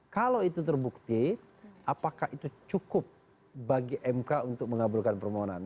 kalau itu terbukti apakah itu cukup bagi mk untuk mengabulkan permohonan